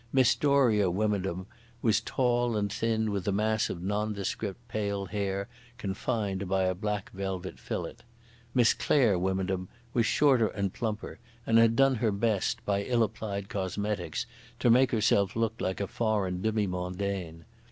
Miss Doria Wymondham was tall and thin with a mass of nondescript pale hair confined by a black velvet fillet. Miss Claire Wymondham was shorter and plumper and had done her best by ill applied cosmetics to make herself look like a foreign demi mondaine.